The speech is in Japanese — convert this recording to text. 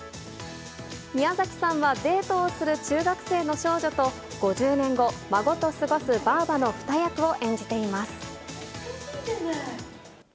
宮崎さんはデートをする中学生の少女と、５０年後、孫と過ごすばぁばの２役を演じています。